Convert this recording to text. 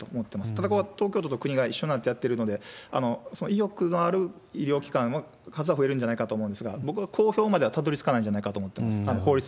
ただここは東京都と国が一緒になってやってるので、その意欲のある医療機関の数は増えるんじゃないかと思うんですが、僕は公表まではたどりつかないんじゃないかと思ってます。